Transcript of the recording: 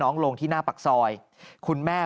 ลงที่หน้าปากซอยคุณแม่